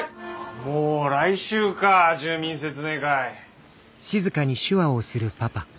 もう来週か住民説明会。